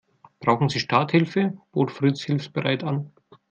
"Brauchen Sie Starthilfe?", bot Fritz hilfsbereit an.